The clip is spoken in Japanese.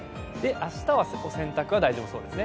明日はお洗濯は大丈夫そうですね。